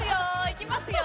いきますよ。